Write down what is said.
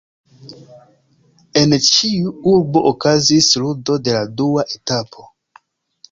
En ĉiu urbo okazis ludo de la dua etapo.